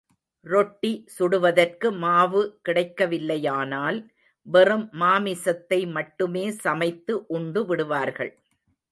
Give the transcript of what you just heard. ரொட்டி சுடுவதற்கு மாவு கிடைக்கவில்லையானால், வெறும் மாமிசத்தை மட்டுமே சமைத்து உண்டு விடுவார்கள்.